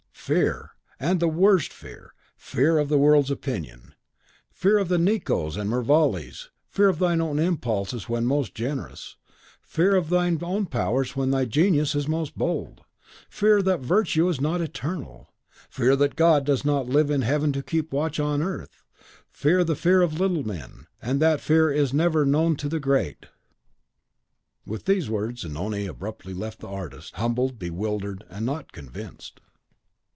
"Fear! and the worst fear, fear of the world's opinion; fear of the Nicots and the Mervales; fear of thine own impulses when most generous; fear of thine own powers when thy genius is most bold; fear that virtue is not eternal; fear that God does not live in heaven to keep watch on earth; fear, the fear of little men; and that fear is never known to the great." With these words Zanoni abruptly left the artist, humbled, bewildered, and not convinced.